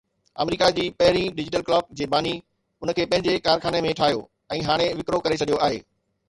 آمريڪا جي پهرين ڊجيٽل ڪلاڪ جي باني ان کي پنهنجي ڪارخاني ۾ ٺاهيو ۽ هاڻي وڪرو ڪري ڇڏيو آهي